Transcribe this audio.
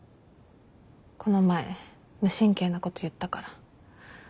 この前無神経なこと言ったから。